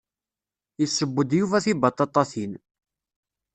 Yesseww-d Yuba tibaṭaṭatin.